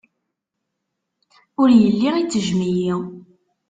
Ur yelli ittejjem-iyi.